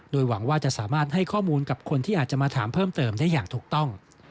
โดยหวังว่าจะสามารถให้ข้อมูลกับคนที่อาจจะมาถามเพิ่มเติมได้อย่างถูกต้อง